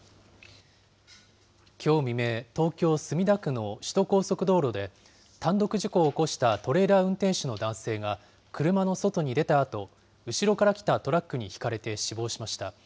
きょう未明、東京・墨田区の首都高速道路で、単独事故を起こしたトレーラー運転手の男性が、車の外に出たあと、後ろから来たトラックにひかれて死亡しました。